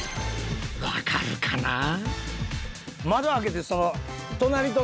分かるかなあ？